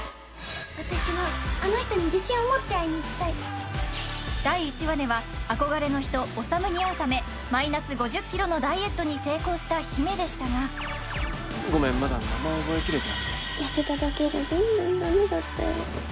私はあの人に自信を持って会いに行きたい第１話では憧れの人宰に会うためマイナス５０ｋｇのダイエットに成功した陽芽でしたがごめんまだ名前覚え切れてなくて痩せただけじゃ全然駄目だったよ